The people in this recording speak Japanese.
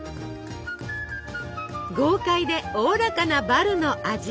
豪快でおおらかなバルの味。